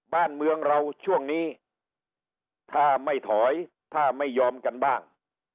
บ้านเมืองเราช่วงนี้ถ้าไม่ถอยถ้าไม่ยอมกันบ้าง